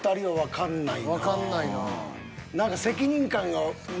わかんないなぁ。